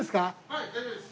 はい大丈夫です。